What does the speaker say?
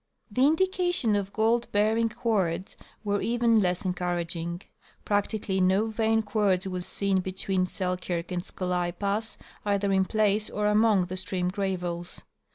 The indications of gold bearing quartz were even less encouraging. Practically no vein quartz was seen between Selkirk and Scolai pass, either in place or among the stream gravels.